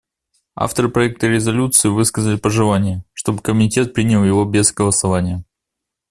Авторы проекта резолюции высказали пожелание, чтобы Комитет принял его без голосования.